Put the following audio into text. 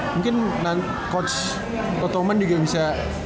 mungkin coach pothoman juga bisa